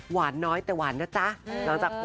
น้อยแต่หวานนะจ๊ะ